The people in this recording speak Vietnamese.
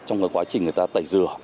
trong quá trình người ta tẩy dừa